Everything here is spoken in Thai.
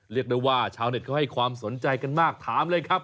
เรียกได้ว่าชาวเน็ตเขาให้ความสนใจกันมากถามเลยครับ